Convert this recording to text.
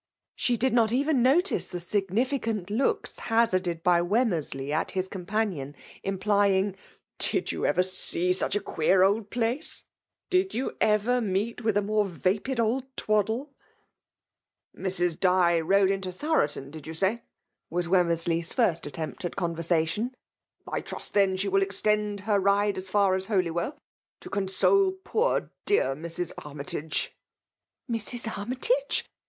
She did not even notice the significant lodks hazarded by Wemmersley at his oompa&ion> implying^ " Did you ever see such a queer old place ?— did you ever meet xaOi a soore vapid old twaddle ?"'' Mi^ Di rode into Thoroton, did you say?'' waa WemmersIey's first attempt at conversa tion. I trust, then, she will extend her ride as fiur as Holywell, to console poor dear Mis. ArmytagB V " Mrs. Armytage